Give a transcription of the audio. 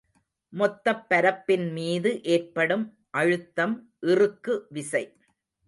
மொத்தப் பரப்பின் மீது ஏற்படும் அழுத்தம் இறுக்கு விசை.